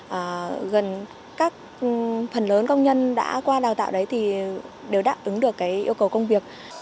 và gần các phần lớn công nhân đã qua đào tạo đấy thì đều đáp ứng được cái yêu cầu công việc